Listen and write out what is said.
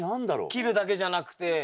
切るだけじゃなくて。